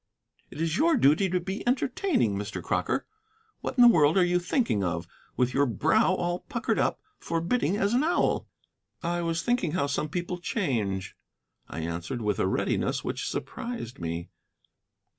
"It is your duty to be entertaining, Mr. Crocker. What in the world are you thinking of, with your brow all puckered up, forbidding as an owl?" "I was thinking how some people change," I answered, with a readiness which surprised me.